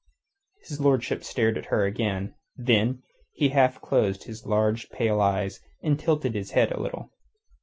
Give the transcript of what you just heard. His lordship stared at her again. Then he half closed his large, pale eyes, and tilted his head a little.